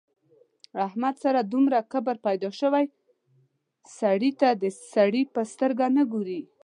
احمد سره دومره کبر پیدا شوی سړي ته د سړي په سترګه نه ګوري.